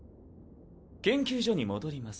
研究所に戻ります。